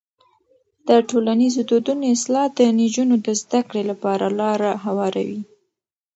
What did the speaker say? د ټولنیزو دودونو اصلاح د نجونو د زده کړې لپاره لاره هواروي.